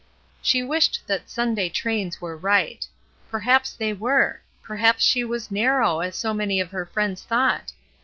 She wished that Sunday trains were right. Per 236 ESTER RIED'S NAMESAKE haps they were. Perhaps she was ''narrow," as so many of her friends thought.